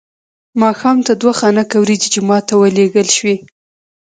ماښام ته دوه خانکه وریجې جومات ته ولېږل شوې.